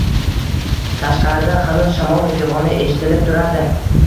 Tashqarida xanuz shamol fig'oni eshitilib turardi.